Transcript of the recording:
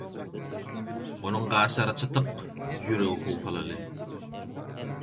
Onuň gaşlary çytyk, ýüregi howsalaly.